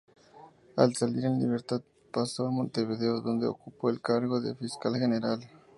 Al salir en libertad pasó a Montevideo, donde ocupó el cargo de Fiscal General.